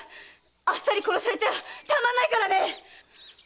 あっさり殺されちゃたまんないからね！